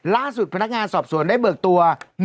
ล่าสุดพนักงานสอบสวนได้เบิกตัว